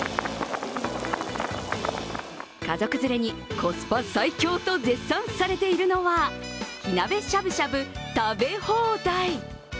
家族連れにコスパ最強と絶賛されているのは火鍋しゃぶしゃぶ食べ放題。